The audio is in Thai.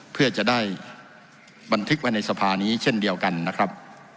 เพื่อจะได้บันทึกไว้ในสภานี้เช่นเดียวกันนะครับ